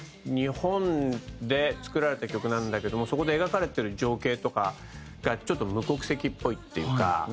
日本で作られた曲なんだけどもそこで描かれてる情景とかがちょっと無国籍っぽいっていうか。